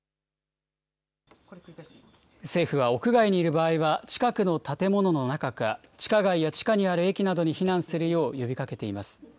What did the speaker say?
政府は屋外にいる場合は、近くの建物の中か、地下街や地下にある駅などに避難するよう呼びかけています。